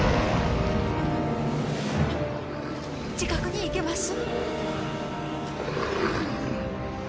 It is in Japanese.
近くに行けます？